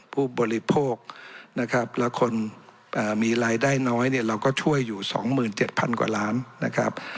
ผู้บริโภคนะครับและคนมีรายได้น้อยเนี่ยเราก็ช่วยอยู่๒๗๐๐กว่าล้านนะครับ